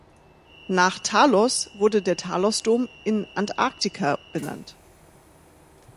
Nach Talos wurde der Talos Dome in Antarktika benannt.